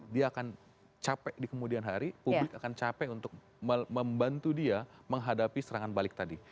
dia akan capek di kemudian hari publik akan capek untuk membantu dia menghadapi serangan balik tadi